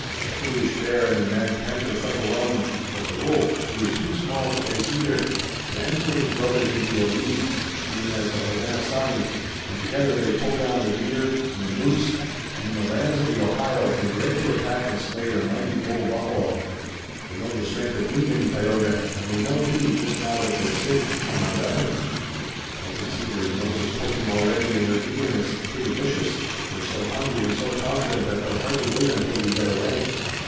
The foolish bear and the mad panther fight alone, but the wolf, who is too small to face either, bands with his brothers into a league, even as the Hodenosaunee, and together they pull down the deer and the moose, and in the lands of the Ohio they dare to attack and slay the mighty bull buffalo." "They know the strength of union, Tayoga, and they know, too, just now that they're safe from our weapons. I can see their noses poking already in their eagerness through the bushes. They're so hungry and so confident that they'll hardly wait until we get away."